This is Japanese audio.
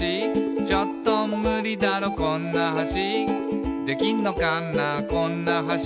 「ちょっとムリだろこんな橋」「できんのかなこんな橋」